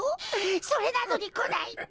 それなのにこないって。